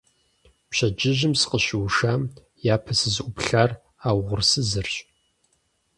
Пщэдджыжьым сыкъыщыушам япэ сызыӀуплъар а угъурсызырщ.